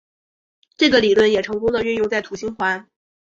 这个理论也成功的运用在土星环。